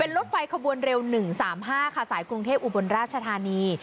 รถไฟขบวนเร็ว๑๓๕ค่ะสายกรุงเทพอุบลราชธานี